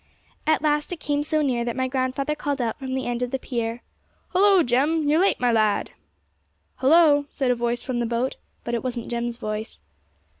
At last it came so near that my grandfather called out from the end of the pier, 'Hollo, Jem! You're late, my lad!' 'Hollo!' said a voice from the boat; but it wasn't Jem's voice.